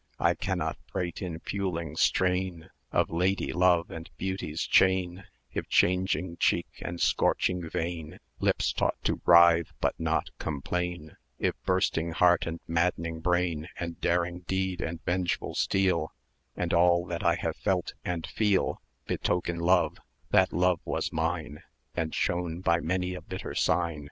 I cannot prate in puling strain Of Ladye love, and Beauty's chain: If changing cheek, and scorching vein,[ef] Lips taught to writhe, but not complain, If bursting heart, and maddening brain, And daring deed, and vengeful steel, And all that I have felt, and feel, Betoken love that love was mine, 1110 And shown by many a bitter sign.